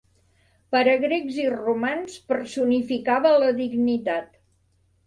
Per a grecs i romans personificava la dignitat.